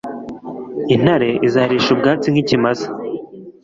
intare izarisha ubwatsi nk ikimasa